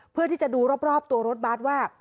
เพื่อที่จะดูรอบตัวรถบัสว่า